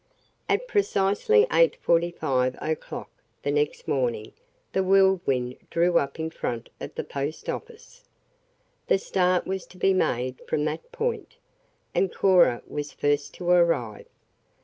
At precisely eight forty five o'clock the next morning the Whirlwind drew up in front of the post office. The start was to be made from that point, and Cora was first to arrive.